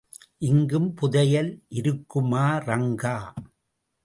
இங்கும் புதையல் இருக்குமா ரங்கா?